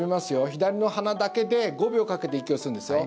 左の鼻だけで５秒かけて息を吸うんですよ。